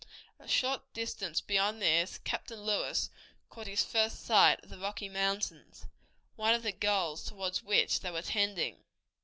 A short distance beyond this Captain Lewis caught his first view of the Rocky Mountains, one of the goals toward which they were tending.